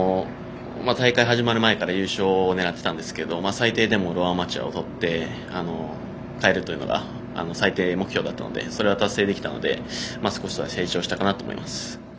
大会、始まる前から優勝を狙っていたんですが最低でもローアマチュアをとって帰るというのが最低目標だったのでそれが達成できたので少しは成長したかなと思います。